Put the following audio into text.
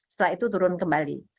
setelah itu turun kembali